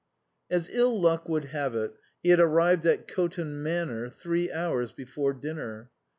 As ill luck would have it, he had arrived at Coton Manor three hours before dinner.